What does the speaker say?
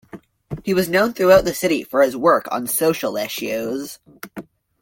He was known throughout the city for his work on social issues.